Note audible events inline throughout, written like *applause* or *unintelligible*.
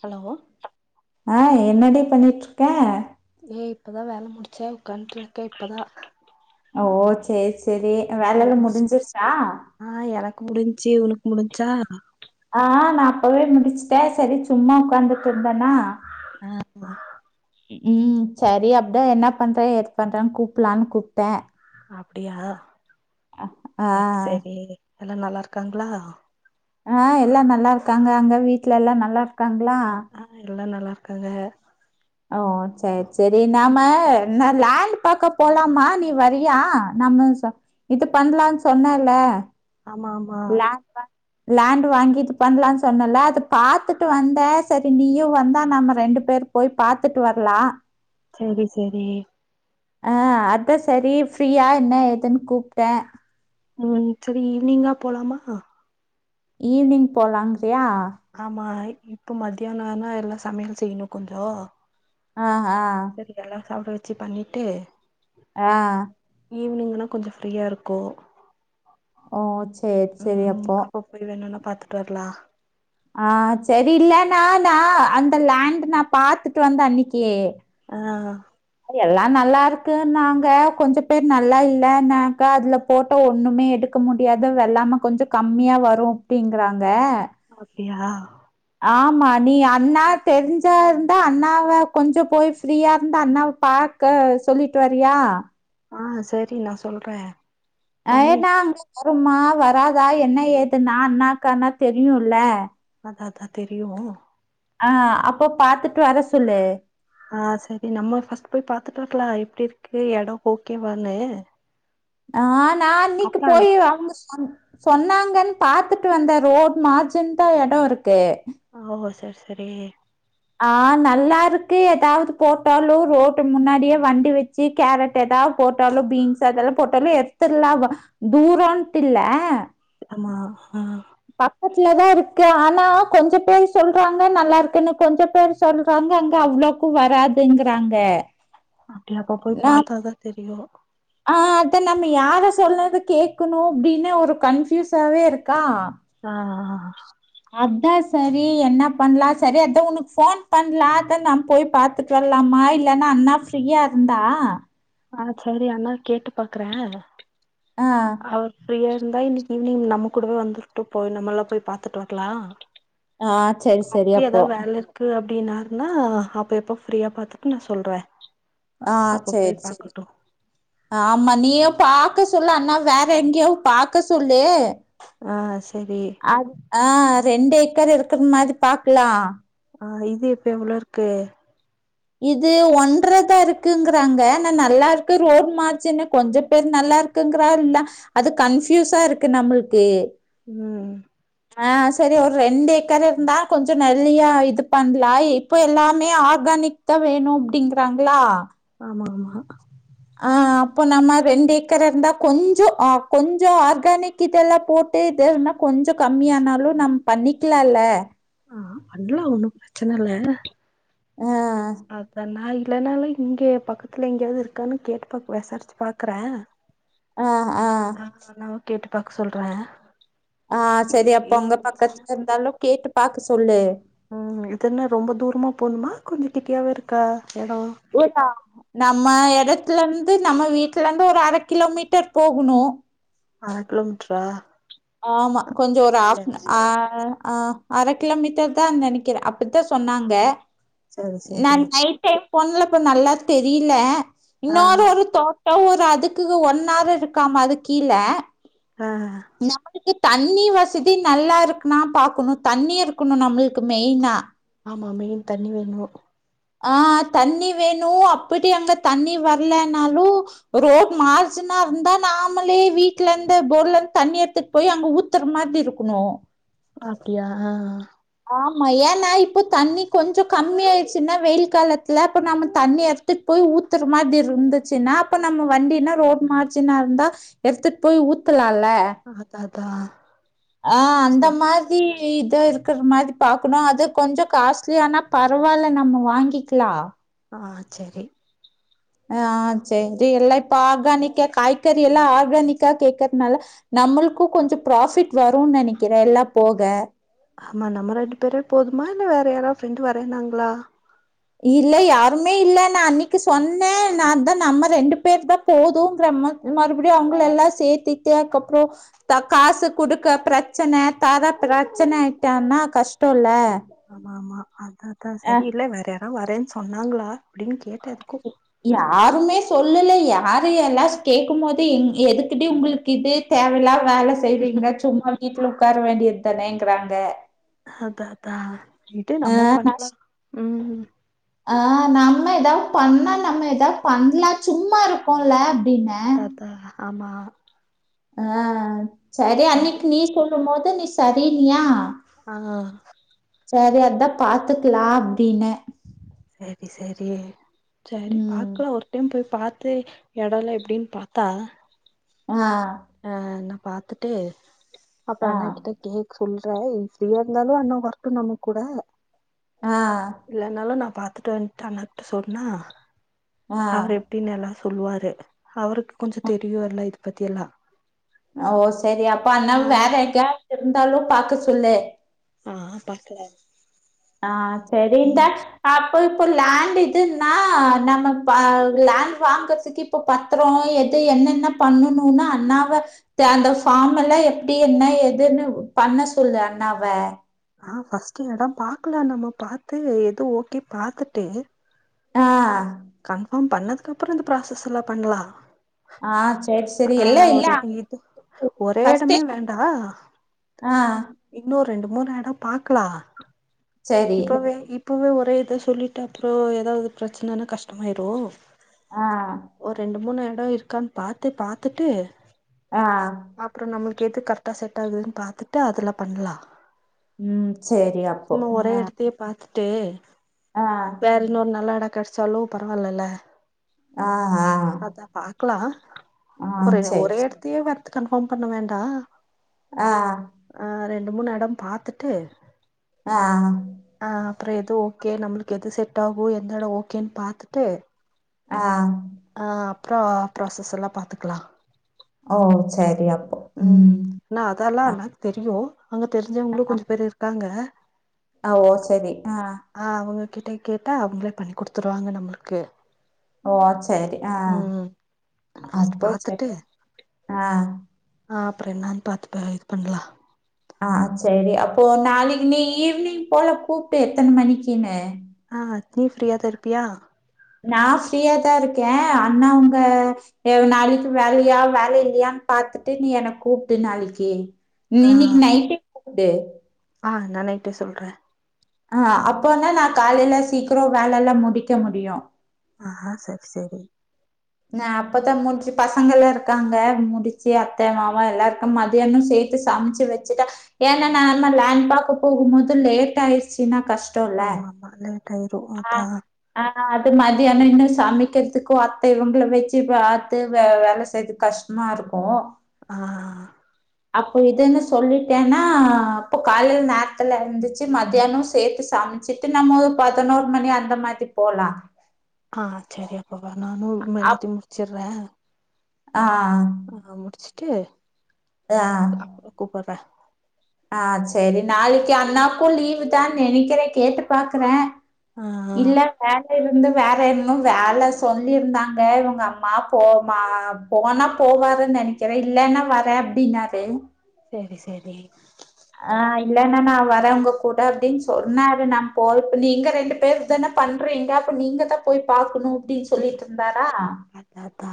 Hello ஆஹ் என்னடி பண்ணிட்ருக்கே ஏய் இப்பதா வேல முடிச்சே உ்க்கான்டு இருக்க இப்பதா ஹ ஓ‌ சேச் சேரி வேலயல்ல முடிஞ்சிருச்சா முடிஞ்சு உனக்கு முடிஞ்ச்சா ஆஹ் நா அப்பவே முடிச்சுட்டேன் சரி சும்மா உட்காந்துட்டு இருந்தேனா ஆஹ்ப்ப உம் சரி அப்தா என்ன பண்ற எது பண்றேன்னு கூப்பலான்னு கூப்டே அப்டியா ஆ சரி சரி எல்லா நல்லா இருக்காங்களா ஆ எல்லாம் நல்லா இருக்காங்க அங்க வீட்டு்ல எல்லா நல்லா இருக் கங்களா ஆ எல்லா நல்லா இருக்காங்க ஓ சரி சரி நம்ம ந லாண்டு பாக்க போலாமா நீ வரியா நம்மஸ் ஆ இது பண்ணலான்னு சொன்னல ஆமா ஆமா லாண்டு வாங்கி இது பண்ணலாம்னு சொன்னல அது பாத்துட்டு வந்த சரி நீயும் வந்தா நம்ம ரெண்டு பேர் போய் பார்த்துட்டு வரலா செரி செரி ஆஹ் அதா சரி ஃப்ரீயா என்ன ஏதுன்னு கூப்டேன் உம் சரி ஈவினிங்கா போலாமா ஈவி்னிங் போலாங் ஆமாய் இப்ப மத்தியானம்னா எல்லாம் சமையல் செய்யணும் கொஞ்ச ஆஹ் சரியல்லா சாப்பிட வச்சு பஜ்ஜி பண்ணிட்டு ஆஹ் ஈவினிங்னா கொஞ்ச ஃப்ரீயா இருக்கும் ஓ சேர் சேரி அப்போ அப்ப போய் வேணுனா பாத்துட்டு வரலா ஆ சரி இல்லன்னா நா அந்த லேண்ட் நா பார்த்துட்டு வந்த அன்னைக்கு ஆஹ் எல்லாம் நல்லா இருக்கு நாங்க கொஞ்சம் பேர் நல்லா இல்லைனாக்கா அதுல போட்ட ஒண்ணுமே எடுக்க முடியாத வெள்ளாம கொஞ்சம் கம்மியா வரும் அப்படிங்கறாங்க அப்படியா ஆமா நீ அண்ணா தெரிஞ்சா இருந்தா அண்ணாவ கொஞ்சம் போய் ஃப்ரீயா இருந்தா அண்ணாவ பாக்க சொல்லிட்டு வறியா ஆஹ் சரி நா சொல்றே அ நம்ம நா வருமா வராதா என்ன ஏதுன்னா அண்ணாக்கானா தெரியும்ல அதா தெரியும் ஆஹ் அப்போ பாத்துட்டு வர சொல்லு ஆஹ் சரி நம்ம ஃபர்ஸ்ட் போய் பாத்துட்டு வரலாம் எப்படி இருக்கு இடம் ஓகேவானு ஆஹ் நான் அன்னைக்கு போய் அவ்ங்க சொன் சொன்னாங் கன் பாத்துட்டு வந்தாரு மார்ஜின் தா எட இருக்கு ஓவவ்வோ செரி செரி ஆஹ் நல்லா இருக்கு எதாவ்து போட்டாலு ரோட்டு முன்னாடியே வண்டி வச்சு கேரட் எதாவ்து போட்டாலு பீன்ஸ் அதெல்லா போட்டாலு எடுத்துற்லா வ தூரன்ட்டு இல்ல ஆமா ஆஹ் பக்கத்லதா இருக்கு ஆனா கொஞ்ச பேரு சொல்றாங்க நல்லா இருக்குனு கொஞ்சம் பேரு சொல்றாங்க அங்க அவ்ளோக்கு வராதுங்கறாங்க அப்டி அப்பப்போ நா பாத்தாதா தெரியு து நம்ம யாரு சொல்றது கேக்கணு அப்டின்னு ஒரு கன்ஃபியுசாவே இருக்கா அஹ் ஆஹ் அதா சரி என்ன பண்லா சரி அதா ஒனக்கு ஃபோன் பண்லா அதா நா போய் பாத்துட்டு வர்லாமா இல்லனா அண்ணா ஃப்ரீயா இருந்தா ஆஹ் செரி அண்ணாவ கேட்டு பாக்றே ஆ அவர் ஃப்ரீயா இருந்தா இன்னைக்கு ஈவ்னிங் நம்ம கூடவே வந்துர்ட்டு போய் நம்மலா போய் பாத்துட்டு வர்லா ஆஹ் செரி செரி அப்போ ப்டின்னாருனா அப்ப எப்ப ஃப்ரீயா பாத்துட்டு நா சொல்றே ஆஹ் அப்ப போய் சேர் சேரி பாக்கட்டு ஆமா நீயே பாக்க சொ சொல்லு அண்ணாவ வேற எங்கேயாது பாக்க சொல்லு ஆஹ் செரி அது ஆ ரெண்டு ஏக்கர் இருக்கிற மாதி பாக்லா ஆஹ் இது இப்ப எவ்ளோ இருக்கு இது ஒன்றதா இருக்குங்குறாங்க ஆனா நல்லா இருக்கு ரோட் மார்ஜினு கொஞ்ச பேரு நல்லா இருக்குங்கறா இல்ல அது கன்ஃபியூஸா இருக்கு நம்மளுக்கு உம் ஆஹ் செரி ஒரு ரெண்டு ஏக்கர் இருந்தா கொஞ்சோ நெல்லியா இது பண்லா இப்ப எல்லாமே ஆர்கானிக் தா வேணு அப்டிங்கிறாங்ளா ஆமா ஆமா ஆஹ் அப்போ நம்ம ரெண்டு ஏக்கர் இருந்தா கொஞ்சோ ஆஹ் கொஞ்சோ ஆர்கானிக் இதெல்லா போட்டு இதுன்னா கொஞ்ச கம்மியானாலு நம் பண்ணிக்கிலால்ல ஆஹ் பண்லா ஒன்னு பிரச்சன இல்ல ஆ அதனால் இல்லனாலு இங்கே பக்கத்துல எங்யாவ்து இருக்கானு கேட்டு பாக்கு வெசாரிச்சு பாக்குறே ஆ ஆ அஹ் நா கேட்டு பாக்க சொல்றே ஆஹ் செரி அப்போ அங்க இருந்துச்சுன்னா பக்கத்துல இருந்தாலு கேட்டுப் பாக்க சொல்லு அஹ்ம் இதென்ன ரொம்ப தூரமா போணுமா கொஞ்ச கிட்டியாவே இருக்கா எடோ ஏக்கா நம்ம எடத்துலருந் ந்து நம்ம வீட்லருந்து ஒரு அரக் கிலோமீட்டர் போகணு அர கிலோமீட்ரா ஆமா கொஞ்சோ ஒரு ஆஸ் ம் ஆஹ் ஆஹ் அர கிலோ மீட்டர் தான் நெனைக்கிறே அப்டிதா சொன்னாங்க சேரி நா சேரி நைட் டைம் பொண்ல இப்போ நல்லா தெரியல ஆ இன்னோரு ஒரு தோட் பவு ஒரு அதுக்கு ஒன் ஆர் இருக்காம அது கீல ஆஹ் ஹ நம்பளுக்கு தண்ணி வசதி நல்லா இருக்குனா பாக்குணு தண்ணி இருக்குணு நம்மளுக்கு மெயினா ஆமா மெய்ன் தண்ணி வேணு ஆஹ் தண்ணி வேணு அப்டி அங்க தண்ணி வர்லனாலு ரோட் மாற்ச்னா இருந்தா நாமளே வீட்டு்ல இந்த போர்ல இருந்து தண்ணி எடுத்துட் போய் அங்க ஊத்துற மாதிரி இருக்குனு அப்டியா ஆ ஆமா ஏன்னா இப்போ தண்ணி கொஞ்சோ கம்மியா டுச்சுன்னா வெயில் காலத்துல அப்ப நம்ம தண்ணி எடுத்துட் போய் ஊத்துற மாதிரி இருந்துச்சுன்னா அப்ப நம்ம வண்டின்னா ரோட் மார்ஜினா இருந்தா எடுத்துட்டு போய் ஊத்துலால் ல அ அ அதா அதா ஆஹ் அந்த சரி மாதி ஏய்த் இதர் இருக்குற மாதி பாக்குனு அது கொஞ்சோ காஸ்லியானா பரவாயில்ல நம்ம வாங்கிக்லா ஆஹ் செரி ஆஹ் ஆ செரி எல்லா இப்ப ஆர்கானிக்க காய்கறி எல்லா ஆர்கானிக்கா கேக்றனால நம்முளுக்கு கொஞ்சோ ப்ராஃபிட் வரும்னு நெனைக்கிற எல்லா போக ஆமா நம்ம ரெண்டு பேர் போதுமா இல்ல வேற யாராவது ஃப்ரெண்டு வரன்னாங்ளா இல்ல யாருமே இல்ல நா அன்னைக்கு சொன்ன நா தா நம்ம ரெண்டு பேரு தா போதும்ங்கற ம மறுபடியு அவங்கள எல்லா சேர்த்திட்டு அதுக்கப்ரோ க காசு குடுக்க பிரச்சன தார பிரச்சன ஆயிட்டான்னா கஷ்டோ ல ஆமா ஆமா அத்தா அதா சரி இல்ல வேற நானும் வரேன்னு சொன்னாங்ளா அப்டின்னு கேட்டதுகு ருமே சொல்லல யாரு எல்லா ஸ் கேட்கும் போது எங எதுக்கிடி உங்ளுக்கு இது தேவையில்லாத வேல செய்றீங்க சும்மா வீட்டுல உட்கார வேண்டியது தனேங்கறாங்க அதத்தா கிட்டே நம்ம பண்ணலா உம் ஆஹ் நம்ம ஏதாவது பண்ணா நம்ம ஏதாவது பண்ணலா சும்மா இருக்கோல அத அத ஆமா ஆஹ் சரி அன்னைக்கு நீ சொல்லும் போது நீ சரினியா ஆ சரி அதா பாத்துக்கலா அப்படனு சரி சரி சரி ம் பாாரக்கலா ஒரு டைம் போய் பா தெ இடம்ல எப்படின்னு பார்த்தா ஆஹ் அஹ் நா பாத்துட்டு அப்ரோ ஆ அண்ணா கிட்ட கேக் சொல்றே ஃப்ரீயா இருந்தாலு அண்ணா வரட்டு நம்ம கூட ஆ இல்லனாலு நா பாத்துட்டு வந்ட்டு அண்ணாகிட்ட சொன்னா ஆ அவரு எப்டின் எல்லா சொல்லுவாரு அவருக்கு கொஞ்சம் ஆ. தெரியு இல்ல இத பத்தி எல்லா ஓ செரி அப்ப அண்ணாவ ஆ வேற எங்காயாது இருந்தாலு பாக்க சொல்லு ஆஹான் பாக்குல ஆஹ் செரி இந்த அப் இப்ப இப்போ லேண்ட் இதுன்னா நம்ம ப லேண்ட்டு வாங்கறதுக்கு இப்ப பத்தரோ எது என்னென்ன பண்ணணும்ன்னா அண்ணாவ *unintelligible* அந்த ஃபார்ம் எல்லா எப்டி என்ன எதுன்னு பண்ண சொல்லு அண்ணாவ ஆஹ் ஃபர்ஸ்ட்டு எடம் பாக்கலா நம்ம பாாரத்து எது ஓகே பாத்துட்டு ஆஹ் கன்ஃபார்ம் பண்ணதுக்கு அப்றோ இந்த ப்ராசஸ் எல்லா பண்ணலா ஆஹ் ஆஹ் ஒரே இது ஒரே ஃபர்ஸ்ட்டே எடமே வேண்டா ஆ இன்னு ரெண்டு மூணு எட பாக்கலா சரி இப்பவே இப்பவே ஒர் *unintelligible* இதோ சொல்லிட்டு அப்றோ ஏதாவ்து ப்ரச்சனைன்னா கஷ்டமாயிர ஆ ஒரு ரெண்டு மூணு எடோ இருக்கான்னு பாத்து பாத்துட்டு ஆ அப்றோ நம்ளுக் *unintelligible* கரெக்டா செட் ஆகுதுன்னு பாத்துட்டு அதுல பண்லா உம் செரி அப்போ ஆஹ் ட்டு வேர் இன்னோரு நல் எட கெடச்சாலு பரவாலல்ல ஆஹா க்லா ஒரு ஒரே எடத்தையே வர் கன்ஃபார்ம் பண்ண வேண்டா ஆஹ் ஆ ரெண்டு மூணு எடம் பாத்துட்டு ஆஹ் அப்றொ எது ஓக்கே நம்ளுக்கு எது செட் ஆகு எந்த எடொ ஓகேன் பாத்துட்டு ஆஹ் ஆஹ் அப்றோ ப்ராசஸ்ஸெல்லா பாத்துக்லா ஓ செரி அப் உம் நா அதெல்லா அனக் தெரியு அங்க தெரிஞ்சவங்ளு கொஞ்ச பேரு இருக்காங்க. அ ஒ செரி ஆஹ் அவுங்க கிட்டை கேட்டா அவ்ங்ளே பண்ணி குடுத்துருவாங்க நம்ளுக்கு ஓ சேரி ஆஹ் ஃபர்ஸ்ட் அப்போ பாத்துட்டு சேரி ஆஹ் ஆஹ் அப்றோ என்னான் பாத்து ப இது பண்லா ஆஹ் சேரி. அப்போ நாளைக்கு நீ ஈவ்னிங் போல கூப்டு எத்தன மணிக்கினு ஆஹ் அத் நீ ஃப்ரீயா தா இருப்பியா? நா ஃப்ரீயாதா இருக்கே அண்ணா உங்க அ நாளைக்கு வேலயா வேல இல்லயான்னு பாத்துட்டு நீ எனக் கூப்டு நாளைக்கி நீ இன்னைக் நைட்டே கூப்புடு ஆஹ் நா நைட்டே சொல்ற அஹ் அப்போனா நா காலைல சீக்ரோ வேலல்லா முடிக்க முடியு ஆஹா சர் சரி நா அப்பத்தா முன்ச்சு பசங்கெல்லா இருக்காங்க. முடிச்சு அத்த மாமா எல்லாருக்கும் மதியானோ சேத்து சம்ச்சு வெச்சுட்டா ஏன்னா நால்மா லேண்பாக்க போகும்மோது லேட் ஆயிர்ச்சினா கஷ்டோல்ல ஆமா ஆமா லேட் ஆயிரு அதா ஆஹ் ஆஹ் அது மதியான இன்னு சமைக்கிற்துக்கு அத்த இவங்கள வச்சு பாத்து வே வேல செய்துக் கஷ்டமா இருக்கு ஆஹ் அப்போ இதுன்னு சொல்லிட்டேன்னா அப்போ காலையில நேரத்துல இருந்துச்சு மதியானோ சேர்த்து சம்ச்சிட்டு நம்மொ பதினோரு மணி அந்த மாதி‌ போலா ஆஹ் சரி அப்பவா நானும் எல்லாத்தையும் முடிச்சிட்றே ஆஹ் ஆஹ் முடிச்சுட்டு அப்றோ கூப்புட்ற ஆஹ் செரி நாளைக்கு அண்ணாக்கும் லீவு தான்னு நெனைக்கிறேன் கேட்டுப் பாக்குறே ஆ ஆ இல்ல வேல இருந்து வேற இன்னும் வேலை சொல்லியிருந்தாங்க இவுங்க அம்மா போமா போனா போவாருன்னு நெனைக்கிறேன் இல்லன்னா ‌வரேன் அப்டினாரு செரி செரி இல்லன்னா நான் வரே உங்க கூட அப்டின் சொன்னாரு நா போல்ப் நீங்க ரெண்டு பேர் தானே பண்றீங்க அப்ப நீங்க தான் போய் பாக்கணு அப்டி சொல்லிட்ருந்தாரா அதா அதா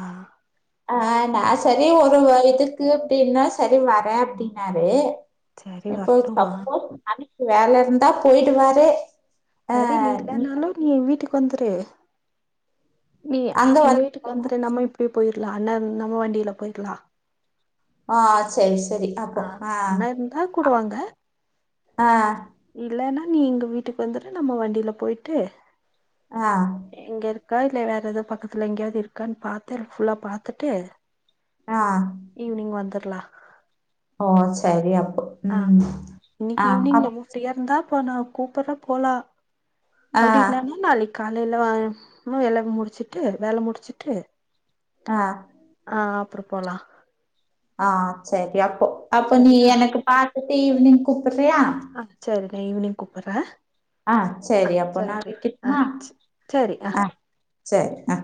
ஆஹ் நான் செரி ஒரு இது கு அப்டின்னா சரி வரே அப்டினாரு சரி இப்போ வரட்டுமா சப்போஸ் வேலருந்தா பொயிடுவாரு சரி நீங்தனாலு நீ ஏ வீட்டுக் குவந்துரு நீயே அங்க எங்க வந்து வீட்டுக்கு வந்துரு நம்ம இப்புடி போயிர் ட்லா அண்ணன் நம்ம வண்டில போயிக்குலா ஆ ச்சயிஸ் தெரி அப்போ அ கூடவாங்க அ நீ எங்க வீட்டுக் வந்துரு நம்ம வண்டில போய்ட்டு அ கா இல்ல வேற எதோ பக்கத்துல எங்யாவ்து இருக்கான் பாத்தர் ஃபுல்லா பாத்துட்டு ஆ ஈவ்னிங்‌ வந்தரு க்லா ஓ சரி அப் ஆ ம் இன்னிக் ஆ ஈவ்னிங் நம்ம ஃப்ரீயார்ந்தா பா நா கூப்பற்ற போலா ஆ அவ்டி இல்லானி நாளிக் கால் லீல்ல வா மு எல்லாமே முடுச்சுட்டு வேல முடுச்சிட்டு அ ஆ அப்று போலா ஆ ஆ சேய் பேப்போ அப்ப நீ சரியா எனக்கு பா ஈவ்னிங் கூப் ஆ செரி நா ஈவினிங் கூப் படுற ஆ செரி அப்போ நா ஆ வெக்கட்மா சரி ஆ அ செர் ஆ